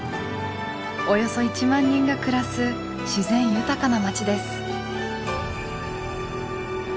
およそ１万人が暮らす自然豊かな町です。